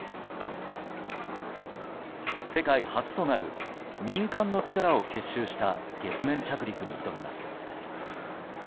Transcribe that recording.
世界初となる民間の力を結集した月面着陸に挑みます。